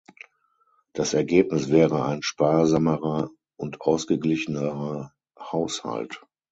Das Ergebnis wäre ein sparsamerer und ausgeglichenerer Haushalt.